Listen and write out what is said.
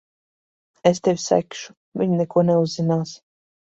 Es tevi segšu. Viņa neko neuzzinās.